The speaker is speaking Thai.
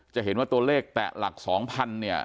จะเห็นว่าตัวเลขแตะหลัก๒๐๐เนี่ย